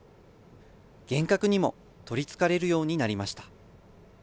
幻覚にも取りつかれるようになりました。